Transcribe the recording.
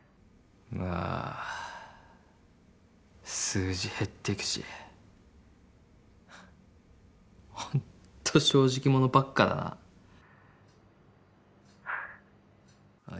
あぁ数字減ってくしほんと正直者ばっかだなあっ